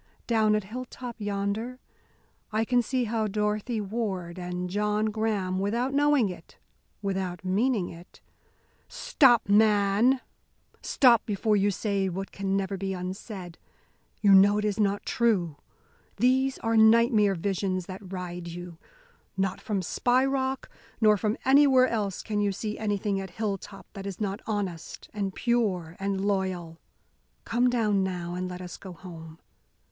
Down at Hilltop yonder I can see how Dorothy Ward and John Graham, without knowing it, without meaning it " "Stop, man!" I cried. "Stop, before you say what can never be unsaid. You know it is not true. These are nightmare visions that ride you. Not from Spy Rock nor from anywhere else can you see anything at Hilltop that is not honest and pure and loyal. Come down, now, and let us go home.